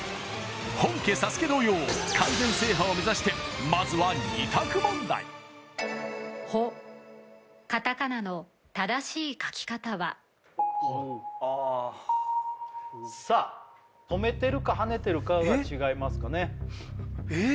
本家「ＳＡＳＵＫＥ」同様完全制覇を目指してまずは２択問題さあとめてるかはねてるかが違いますかねえっ！？